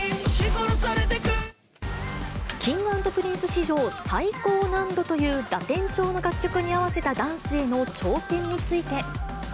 Ｋｉｎｇ＆Ｐｒｉｎｃｅ史上最高難度というラテン調の楽曲に合わせたダンスへの挑戦について。